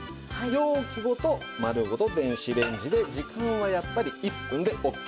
容器ごと丸ごと電子レンジで時間はやっぱり１分でオッケーです。